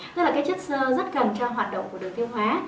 tức là cái chất sơ rất cần cho hoạt động của đường tiêu hóa